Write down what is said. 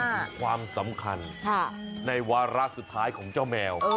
ถึงความสำคัญในวาระสุดท้ายของเจ้าแมว